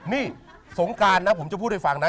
นี่สงการนะผมจะพูดให้ฟังนะ